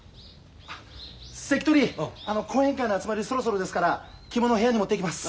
関取後援会の集まりそろそろですから着物部屋に持っていきます。